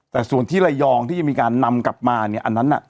แต่ส่วนที่ระยองที่จะมีการนำกลับมาเนี่ยอันนั้นน่ะ